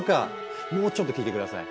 もうちょっと聞いて下さい。